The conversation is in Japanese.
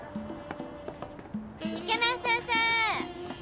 ・イケメン先生！